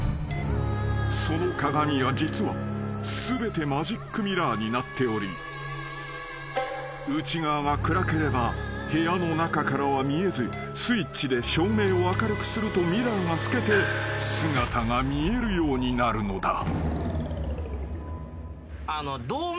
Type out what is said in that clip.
［その鏡は実は全てマジックミラーになっており内側が暗ければ部屋の中からは見えずスイッチで照明を明るくするとミラーが透けて姿が見えるようになるのだ］